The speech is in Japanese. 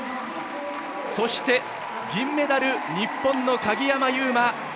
そして、銀メダル日本の鍵山優真。